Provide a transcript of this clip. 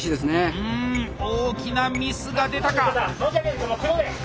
うん大きなミスが出たか？